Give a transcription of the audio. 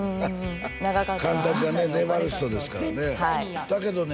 長かった監督がね粘る人ですからねだけどね